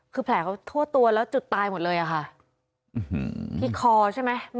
คือแผลเขาทั่วตัวแล้วจุดตายหมดเลยอะค่ะที่คอใช่ไหม